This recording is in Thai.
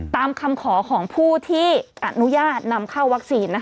ตามคำขอของผู้ที่อนุญาตนำเข้าวัคซีน